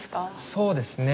そうですね